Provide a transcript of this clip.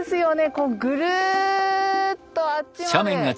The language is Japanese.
こうぐるっとあっちまで。